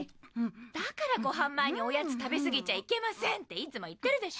だからごはん前におやつ食べすぎちゃいけませんっていつも言ってるでしょ。